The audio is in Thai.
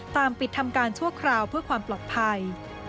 ปิดทำการชั่วคราวเพื่อความปลอดภัย